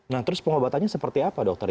nah terus pengobatannya seperti apa dokter